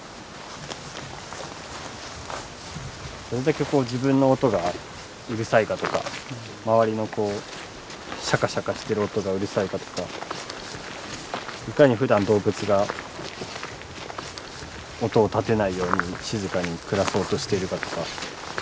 どれだけこう自分の音がうるさいかとか周りのこうシャカシャカしてる音がうるさいかとかいかにふだん動物が音を立てないように静かに暮らそうとしているかとか。